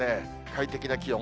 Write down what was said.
快適な気温。